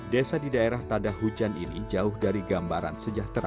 desa di daerah tada hujan ini jauh dari gambaran sejahtera